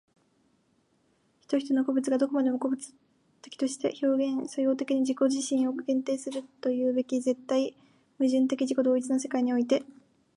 一々の個物がどこまでも個物的として表現作用的に自己自身を限定するというべき絶対矛盾的自己同一の世界において、